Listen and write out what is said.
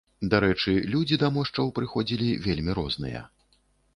Дарэчы, людзі да мошчаў прыходзілі вельмі розныя.